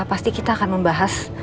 pasti kita akan membahas